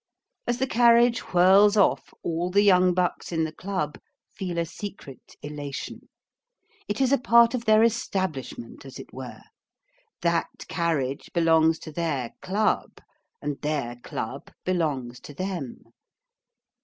As the carriage whirls off, all the young bucks in the Club feel a secret elation. It is a part of their establishment, as it were. That carriage belongs to their Club, and their Club belongs to them.